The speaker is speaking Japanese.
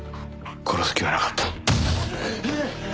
殺す気はなかった。